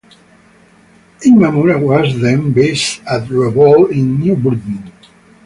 Imamura was then based at Rabaul in New Britain.